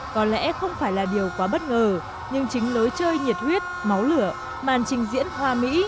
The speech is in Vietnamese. có lẽ không phải là điều quá bất ngờ nhưng chính lối chơi nhiệt huyết máu lửa màn trình diễn hoa mỹ